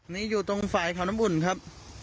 นี่อยู่ตรงฝ่ายเขาน้ำอุ่นครับ